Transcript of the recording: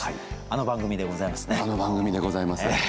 あの番組でございますね。